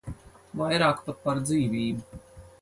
Vairāk pat par dzīvību.